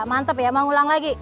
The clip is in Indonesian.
mantep ya mau ulang lagi